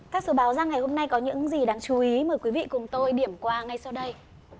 các số báo ra ngày hôm nay có những gì đáng chú ý mời quý vị cùng tôi điểm qua ngay sau đây